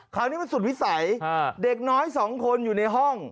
คราวนี้มันสุดวิสัยเด็กน้อยสองคนอยู่ในห้อง